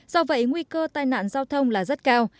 do vậy nguy cơ tai nạn giao thông là rất cao